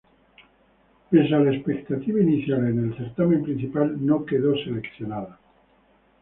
Pese a la expectativa inicial en el certamen principal no quedó seleccionada.